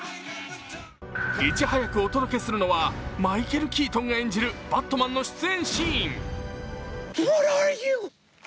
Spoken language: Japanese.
いち早くお届けするのはマイケル・キートンが演じるバットマンの出演シーン。